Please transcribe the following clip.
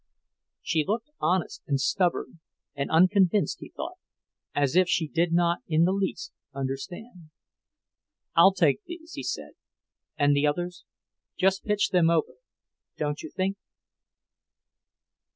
She looked honest and stubborn and unconvinced, he thought, as if she did not in the least understand. "I'll take these," he said. "And the others just pitch them over, don't you think?"